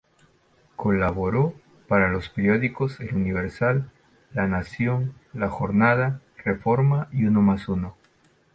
Colaboró para los periódicos "El Universal", "La Nación", "La Jornada", "Reforma" y "Unomásuno".